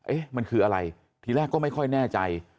เอ๊ะมันคืออะไรทีแรกก็ไม่ค่อยแน่ใจ